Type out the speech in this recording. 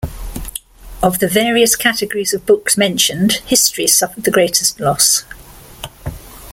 Of the various categories of books mentioned, history suffered the greatest loss.